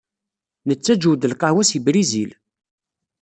Nettaǧǧew-d lqahwa seg Brizil.